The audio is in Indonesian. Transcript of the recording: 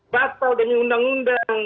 batal demi undang undang